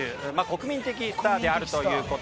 国民的スターであるという事。